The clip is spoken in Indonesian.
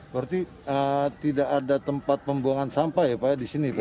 berarti tidak ada tempat pembuangan sampah ya pak ya di sini pak